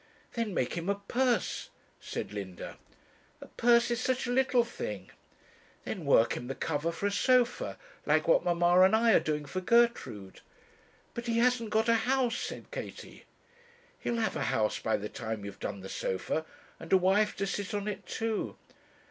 'Then make him a purse,' said Linda. 'A purse is such a little thing.' 'Then work him the cover for a sofa, like what mamma and I are doing for Gertrude.' 'But he hasn't got a house,' said Katie. 'He'll have a house by the time you've done the sofa, and a wife to sit on it too.'